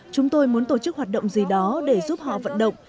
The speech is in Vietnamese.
chúng tôi muốn tổ chức hoạt động gì đó để giúp họ vận động